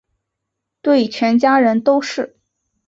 对全家人都是